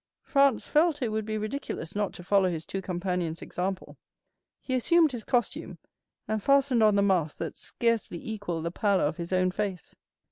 Franz felt it would be ridiculous not to follow his two companions' example. He assumed his costume, and fastened on the mask that scarcely equalled the pallor of his own face.